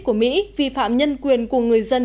của mỹ vi phạm nhân quyền của người dân